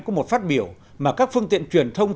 có một phát biểu mà các phương tiện truyền thông